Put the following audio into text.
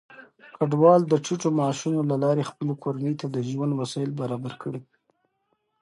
کډوال د ټيټو معاشونو له لارې خپلې کورنۍ ته د ژوند وسايل برابر کړي.